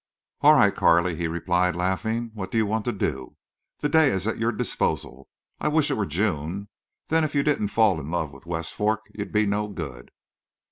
"All right, Carley," he replied, laughing. "What do you want to do? The day is at your disposal. I wish it were June. Then if you didn't fall in love with West Fork you'd be no good."